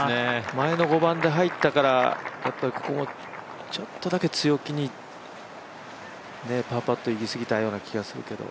前の５番で入ったからちょっとだけ強気にパーパットいきすぎたような気がするけど。